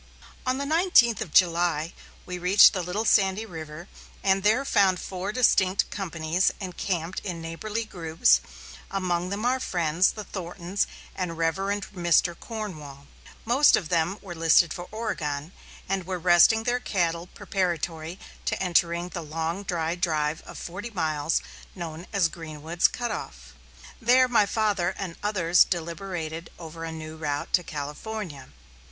On the nineteenth of July we reached the Little Sandy River and there found four distinct companies encamped in neighborly groups, among them our friends, the Thorntons and Rev. Mr. Cornwall. Most of them were listed for Oregon, and were resting their cattle preparatory to entering upon the long, dry drive of forty miles, known as "Greenwood's Cut off." There my father and others deliberated over a new route to California.